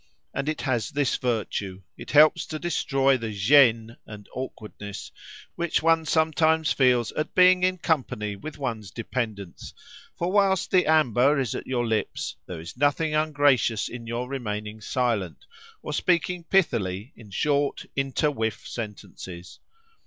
And it has this virtue—it helps to destroy the gêne and awkwardness which one sometimes feels at being in company with one's dependents; for whilst the amber is at your lips, there is nothing ungracious in your remaining silent, or speaking pithily in short inter whiff sentences.